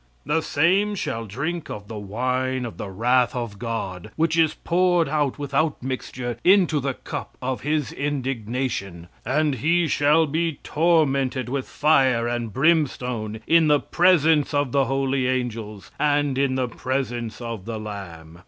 "The same shall drink of the wine of the wrath of God, which is poured out without mixture into the cup of his indignation; and he shall be tormented with fire and brimstone in the presence of the holy angels, and in the presence of the Lamb."